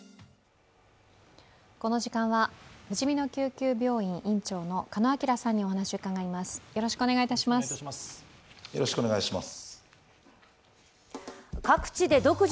この時間はふじみの救急病院院長の鹿野晃さんにお話を伺います。